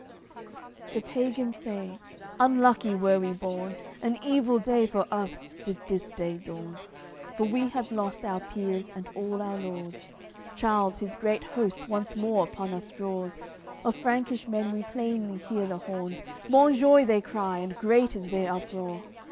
CLX The pagans say: "Unlucky were we born! An evil day for us did this day dawn! For we have lost our peers and all our lords. Charles his great host once more upon us draws, Of Frankish men we plainly hear the horns, "Monjoie" they cry, and great is their uproar.